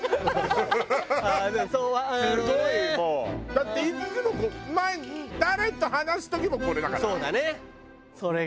だっていっつも誰と話す時もこれだから。